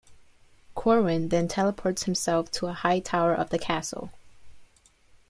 Corwin then teleports himself to a high tower of the castle.